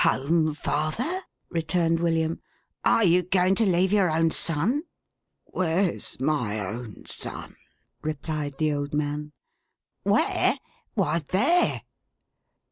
" Home, father !" returned William. " Are you going to leave your own son?"" "Where's my own son?11 replied the old man. "Where? why, there!